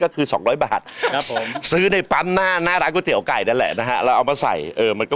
ก็ขอบคุณที่ติดตามแล้วก็แชร์กันนะครับ